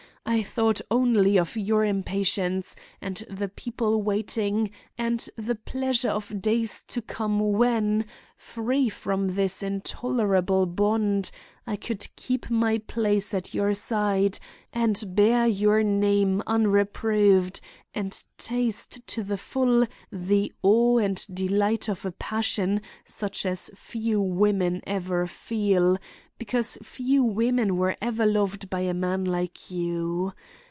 I thought only of your impatience, and the people waiting, and the pleasure of days to come when, free from this intolerable bond, I could keep my place at your side and bear your name unreproved and taste to the full the awe and delight of a passion such as few women ever feel, because few women were ever loved by a man like you.